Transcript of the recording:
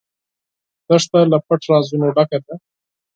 دښته له پټ رازونو ډکه ده.